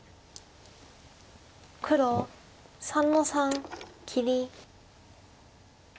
黒３の三切り。